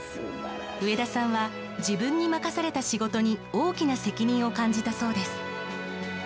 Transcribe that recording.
上田さんは自分に任された仕事に大きな責任を感じたそうです。